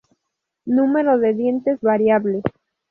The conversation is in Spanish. Número de dientes variable.